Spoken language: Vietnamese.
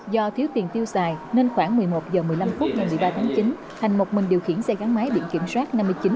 do thiếu tiền tiêu xài nên khoảng một mươi một h một mươi năm phút ngày một mươi ba tháng chín thành một mình điều khiển xe gắn máy biển kiểm soát năm mươi chín